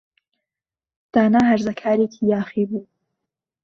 دانا هەرزەکارێکی یاخی بوو.